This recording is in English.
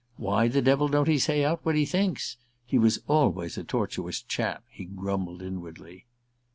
"Why the devil don't he say out what he thinks? He was always a tortuous chap," he grumbled inwardly.